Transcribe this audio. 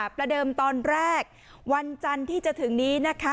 ประเดิมตอนแรกวันจันทร์ที่จะถึงนี้นะคะ